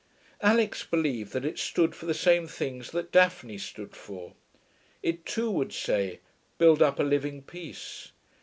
Alix believed that it stood for the same things that Daphne stood for. It too would say, build up a living peace.